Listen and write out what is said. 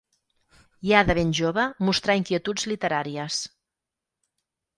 Ja de ben jove mostrà inquietuds literàries.